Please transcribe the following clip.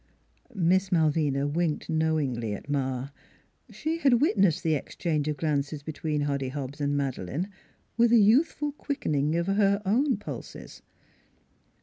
Miss Malvina winked knowingly at Ma. She had witnessed the exchange of glances between Hoddy Hobbs and Madeleine, with a youthful quickening of her own pulses.